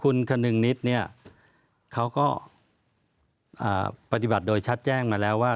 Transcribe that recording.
คุณคนึงนิดเนี่ยเขาก็ปฏิบัติโดยชัดแจ้งมาแล้วว่า